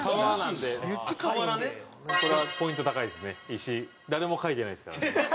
石誰も描いてないですからね。